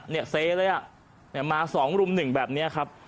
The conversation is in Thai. เซเลยอ่ะเนี่ยมา๒รุ่มหนึ่งแบบนี้ครับ